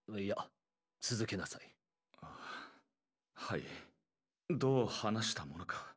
あはいどう話したものか？